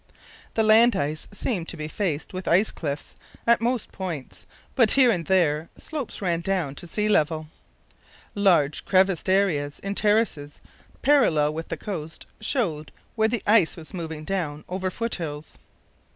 The land ice seemed to be faced with ice cliffs at most points, but here and there slopes ran down to sea level. Large crevassed areas in terraces parallel with the coast showed where the ice was moving down over foot hills.